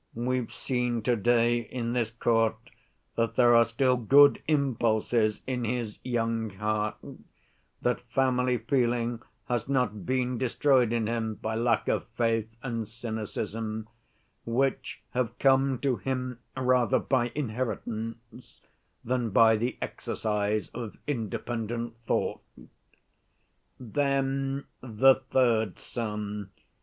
We've seen to‐day in this court that there are still good impulses in his young heart, that family feeling has not been destroyed in him by lack of faith and cynicism, which have come to him rather by inheritance than by the exercise of independent thought. "Then the third son.